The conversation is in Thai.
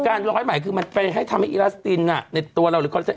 การล้อยไหมมันให้ทำอิลาสตินในตัวเรา